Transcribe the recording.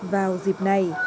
vào dịp này